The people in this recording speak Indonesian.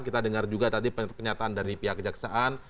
kita dengar juga tadi pernyataan dari pihak kejaksaan